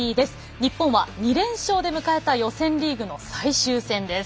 日本は２連勝で迎えた予選リーグの最終戦です。